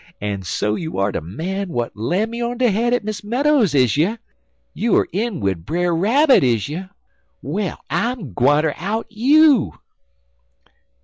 En so you er de man w'at lam me on de head at Miss Meadows's is you? You er in wid Brer Rabbit, is you? Well, I'm gwineter out you.'